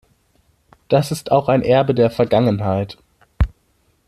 Das ist auch ein Erbe der Vergangenheit.